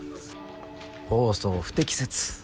放送不適切。